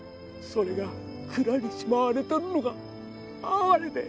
それが蔵にしまわれとるのが哀れで。